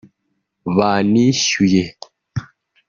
banishyuye